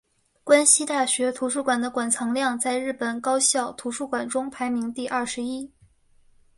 关西大学图书馆的馆藏量在日本高校图书馆中排名第二十一。